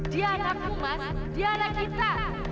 dia anakku mas dia anak kita